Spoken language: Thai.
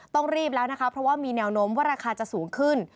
ต้องรีบแล้วนะคะเพราะว่ามีแนวโน้มว่าราคาจะสูงขึ้น